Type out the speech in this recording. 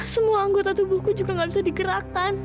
semua anggota tubuhku juga gak bisa digerakkan